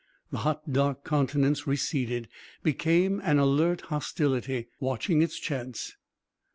The hot, dark countenance receded, became an alert hostility, watching its chance.